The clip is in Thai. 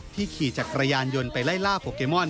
ขี่จักรยานยนต์ไปไล่ล่าโปเกมอน